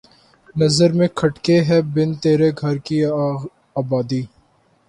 نظر میں کھٹکے ہے بن تیرے گھر کی آبادی